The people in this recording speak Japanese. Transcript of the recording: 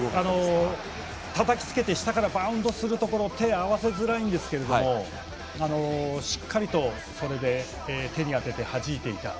たたきつけて下からバウンドするところ手を合わせづらいんですけれどもしっかりと手に当てて、はじいていた。